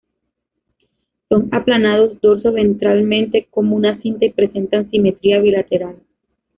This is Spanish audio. Son aplanados dorso-ventralmente como una cinta y presentan simetría bilateral.